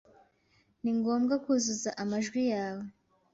Ni ngombwa kuzuza amajwi yawe.